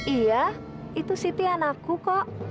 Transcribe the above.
iya itu siti anakku kok